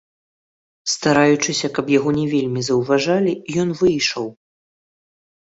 Стараючыся, каб яго не вельмі заўважалі, ён выйшаў.